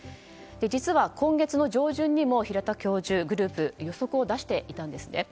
実は、今月の上旬にも平田教授のグループは予測を出していたんですね。